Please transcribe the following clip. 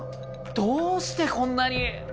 どうしてこんなに？